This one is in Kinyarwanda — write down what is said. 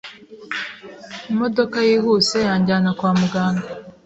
imodoka yihuse yanjyana kwa muganga